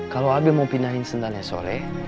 kalau abi mau pindahin sendalnya soleh